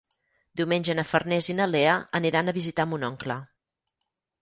Diumenge na Farners i na Lea aniran a visitar mon oncle.